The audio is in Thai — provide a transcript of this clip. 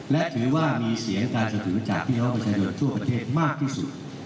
และถือว่ามีเสียการจะถือจากพี่น้องประชาชนทั่วประเทศมากที่สุด